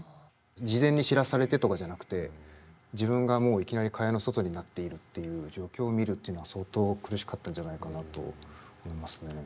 事前に知らされてとかじゃなくて自分がもういきなり蚊帳の外になっているっていう状況を見るっていうのは相当苦しかったんじゃないかなと思いますね。